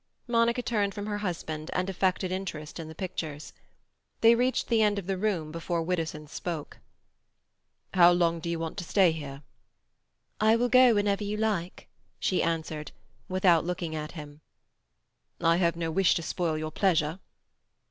Monica turned from her husband and affected interest in the pictures. They reached the end of the room before Widdowson spoke. "How long do you want to stay here?" "I will go whenever you like," she answered, without looking at him. "I have no wish to spoil your pleasure."